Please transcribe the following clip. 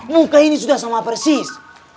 muka ini sudah sama persis